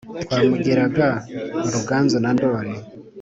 twamugeraga ruganzu na ndori